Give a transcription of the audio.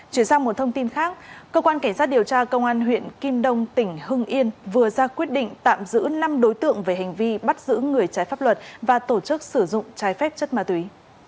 chuyển sang một thông tin khác cơ quan cảnh sát điều tra công an huyện kim đông tỉnh hưng yên vừa ra quyết định tạm giữ năm đối tượng về hành vi bắt giữ người trái pháp luật và tổ chức sử dụng trái phép chất ma túy